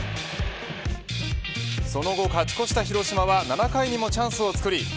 その後勝ち越した広島は７回にもチャンスを作り